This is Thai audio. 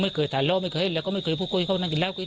ไม่เคยท่านโรคไม่เคยเค้าให้ไม่เคยพูดนั่งกินแล้วกลับกิน